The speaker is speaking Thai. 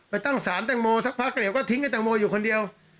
ตั้งสารแตงโมสักพักเดี๋ยวก็ทิ้งไอแตงโมอยู่คนเดียว